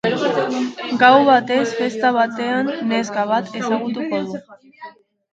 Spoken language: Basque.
Gau batez, festa batean, neska bat ezagutuko du.